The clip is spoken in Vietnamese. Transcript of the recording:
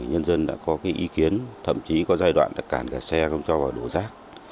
nhân dân đã có ý kiến thậm chí có giai đoạn đã cản cả xe không cho vào đổ rác